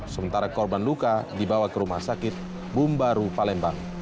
sementara korban luka dibawa ke rumah sakit bumbaru palembang